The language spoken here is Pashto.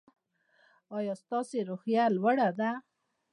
ایا ستاسو روحیه لوړه ده؟